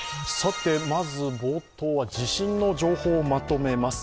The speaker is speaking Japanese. まず冒頭は地震の情報をまとめます。